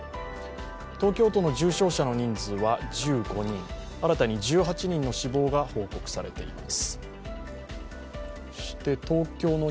東京都の重症者の人数は１５人、新たに１８人の死亡が報告されています。